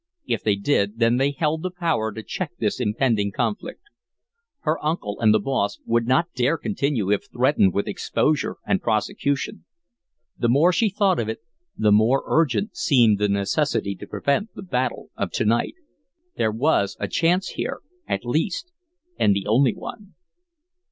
If they did, then they held the power to check this impending conflict. Her uncle and the boss would not dare continue if threatened with exposure and prosecution. The more she thought of it, the more urgent seemed the necessity to prevent the battle of to night. There was a chance here, at least, and the only one.